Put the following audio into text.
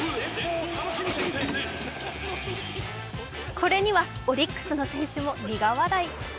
これにはオリックスの選手も苦笑い。